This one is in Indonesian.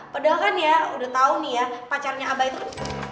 padahal kan ya udah tau nih ya pacarnya abah itu